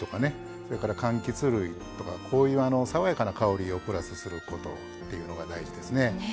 それからかんきつ類とかこういう爽やかな香りをプラスすることっていうのが大事ですね。